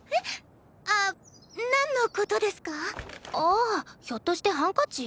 ああひょっとしてハンカチ？